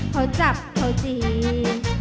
เผาจับเผาจีน